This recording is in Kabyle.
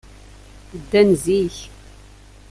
Ddan zik.